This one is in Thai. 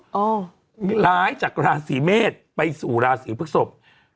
จะย้ายจากราศศรีเมษไปสู่ราศศรีปศพ